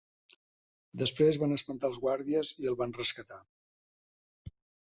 Després van espantar els guàrdies i el van rescatar.